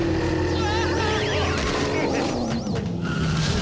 わ！